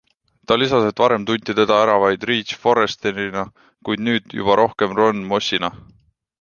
Ta lisas, et varem tunti teda ära vaid Ridge Forresterina, kuid nüüd juba rohkem Ronn Mossina.